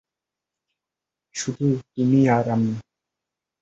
শুধু তুমি আর আমি।